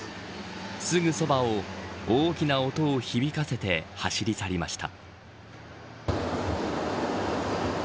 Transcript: すぐそばを大きな音を響かせて走り去りました。